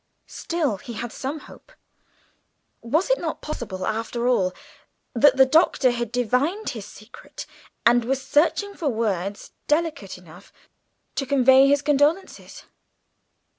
Still he had some hope. Was it not possible, after all, that the Doctor had divined his secret and was searching for words delicate enough to convey his condolences?